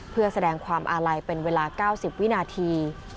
เพื่อแสดงความอาลัยเป็นเวลา๙๐วินาที